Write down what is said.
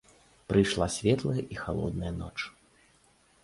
Прыйшла светлая і халодная ноч.